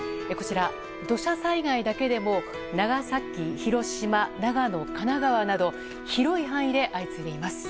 土砂災害だけでも長崎、広島、長野、神奈川など広い範囲で相次いでいます。